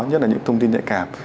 nhất là những thông tin nhạy cảm